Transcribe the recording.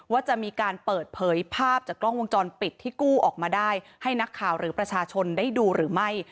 ว่าจะมีการเปิดเผยภาพจากกล้องวงจรปิดที่กู้ออกมาได้ให้นักข่าวหรือประชาชนได้ดูหรือไม่